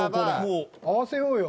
合わせようよ。